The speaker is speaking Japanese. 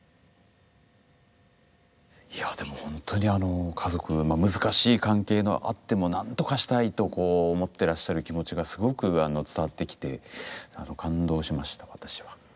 いやでもほんとにあの家族の難しい関係があってもなんとかしたいとこう思ってらっしゃる気持ちがすごく伝わってきて感動しました私は。